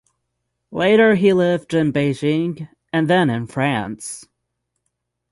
Later he lived in Beijing and then in France.